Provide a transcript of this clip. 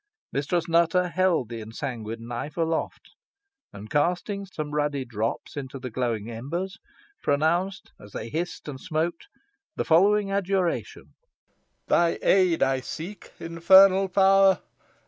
Mistress Nutter held the ensanguined knife aloft, and casting some ruddy drops upon the glowing embers, pronounced, as they hissed and smoked, the following adjuration: "Thy aid I seek, infernal Power!